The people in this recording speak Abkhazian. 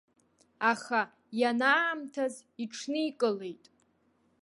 Аха ианаамҭаз иҽникылеит.